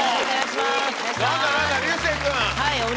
何だ何だ流星君！